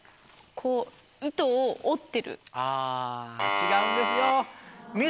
あ違うんですよ。